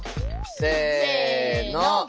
せの。